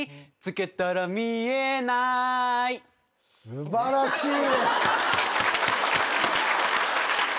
素晴らしいです。